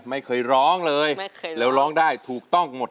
ไม่เคยร้องเลยไม่เคยแล้วร้องได้ถูกต้องหมด